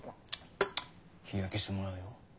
日焼けしてもらうよ。